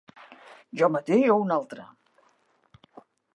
Jo mateix o un altre?